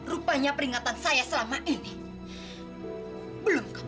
rupanya peringatan saya selama ini belum kamu kukris